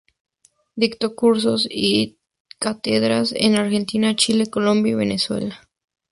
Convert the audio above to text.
Dictó cursos y cátedras en Argentina, Chile, Colombia y Venezuela.